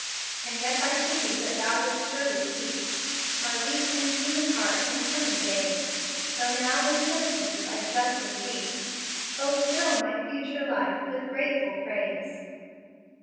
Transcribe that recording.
"And yet I plead that Thou would'st surely keep My weak and human heart in coming days; Though now in penitence I justly weep, O fill my future life with grateful praise."